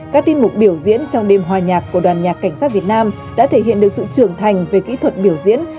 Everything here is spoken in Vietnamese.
các tin mục biểu diễn trong đêm hòa nhạc của đoàn nhạc cảnh sát việt nam đã thể hiện được sự trưởng thành về kỹ thuật biểu diễn